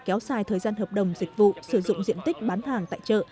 kéo sai thời gian hợp đồng dịch vụ sử dụng diện tích bán hàng tại chợ